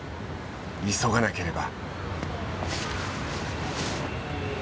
急がなければ。